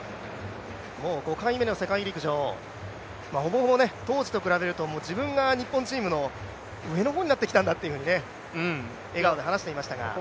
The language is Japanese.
５回目の世界陸上、ほぼほぼ当時と比べると自分が日本チームの上の方になってきたんだって笑顔で話していました。